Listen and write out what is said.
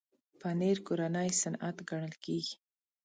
پنېر کورنی صنعت ګڼل کېږي.